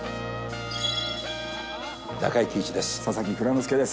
中井貴一です。